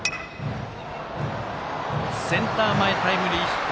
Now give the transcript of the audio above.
センター前タイムリーヒット。